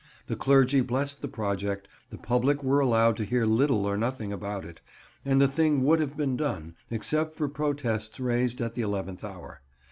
The clergy blessed the project, the public were allowed to hear little or nothing about it, and the thing would have been done, except for protests raised at the eleventh hour.